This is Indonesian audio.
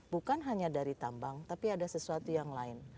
bukan hanya dari tambang tapi ada sesuatu yang lain